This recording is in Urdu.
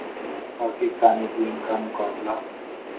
پاکستانی ٹیم کا مقابلہ